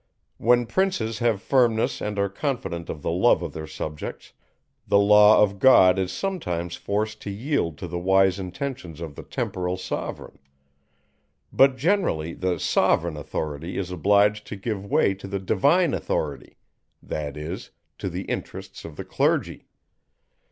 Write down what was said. When princes have firmness and are confident of the love of their subjects, the law of God is sometimes forced to yield to the wise intentions of the temporal sovereign; but generally the sovereign authority is obliged to give way to the divine authority, that is, to the interests of the clergy.